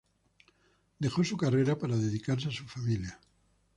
Dejó su carrera para dedicarse a su familia.